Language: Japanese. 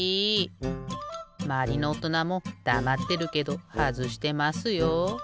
まわりのおとなもだまってるけどはずしてますよ。